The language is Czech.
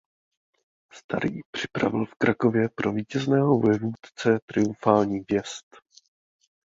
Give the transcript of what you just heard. Starý připravil v Krakově pro vítězného vojevůdce triumfální vjezd.